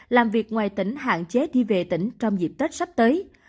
làm việc ngoài tỉnh hạn chế đi về tỉnh trong dịp tết sắp tới